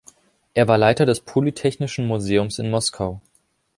Er war Leiter des Polytechnischen Museums in Moskau.